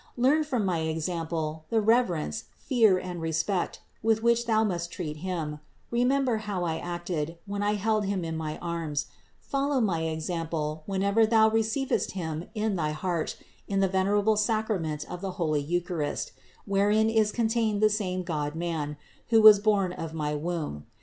Learn from my example the rev erence, fear and respect, with which thou must treat Him, remembering how I acted, when I held Him in my arms ; follow my example, whenever thou receivest Him in thy heart in the venerable sacrament of the holy Eucharist, wherein is contained the same God Man, who was born of my womb.